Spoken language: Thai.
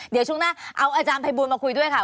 เดี๋ยวช่วงหน้าเอาอาจารย์ภัยบูลมาคุยด้วยค่ะ